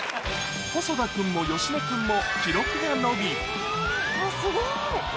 細田君も芳根君も記録が伸びすごい。